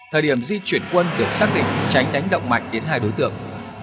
thời điểm di chuyển quân được xác định tránh đánh động mạnh đến hai đối tượng